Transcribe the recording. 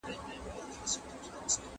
د غلو وروري خوږه ده، خو پر وېش باندې جگړه ده.